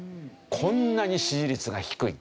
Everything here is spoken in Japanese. こんなに支持率が低い。